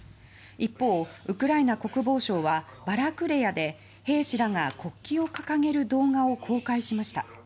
一方、ウクライナ国防省はバラクレヤで兵士らが国旗を掲げる動画を公開しました。